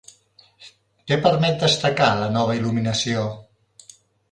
Què permet destacar la nova il·luminació?